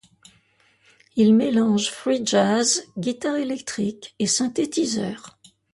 Il mélange free jazz, guitare électrique et synthétiseur.